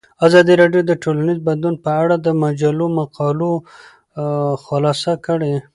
ازادي راډیو د ټولنیز بدلون په اړه د مجلو مقالو خلاصه کړې.